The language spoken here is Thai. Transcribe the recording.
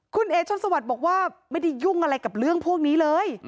คุณเอ๋ชนสวัสดิ์บอกว่าไม่ได้ยุ่งอะไรกับเรื่องพวกนี้เลย